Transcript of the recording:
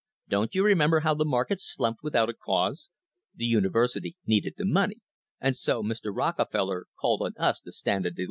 Don't you remember how the market slumped without a cause? The university needed the money, and so Mr. Rockefeller called on us to stand and deliver."